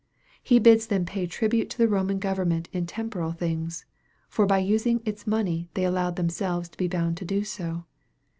He bids them pay tribute to the Roman government in temporal things, for by using its money they allowed themselves bound to do so.